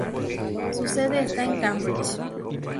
Su sede está en Cambridge.